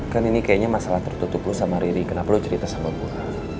kan ini kayaknya masalah tertutup lu sama riri kenapa lo cerita sama gue